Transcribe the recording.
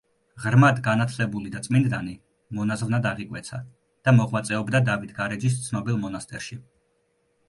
ღრმად განათლებული და წმინდანი მონაზვნად აღიკვეცა და მოღვაწეობდა დავით გარეჯის ცნობილ მონასტერში.